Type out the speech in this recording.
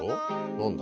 何だ？